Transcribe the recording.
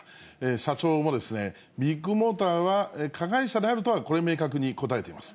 社長も、ビッグモーターは加害者であるとは、これ、明確に答えています。